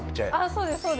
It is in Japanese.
そうです